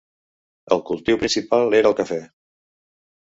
El cultiu principal era el cafè.